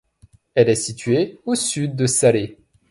Elle est située au sud de Salé.